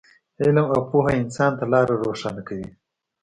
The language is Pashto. علم او پوهه انسان ته لاره روښانه کوي.